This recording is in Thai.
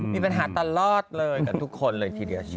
มีปัญหาตลอดเลยกับทุกคนเลยทีเดียว